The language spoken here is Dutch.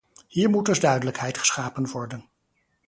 Hier moet dus duidelijkheid geschapen worden.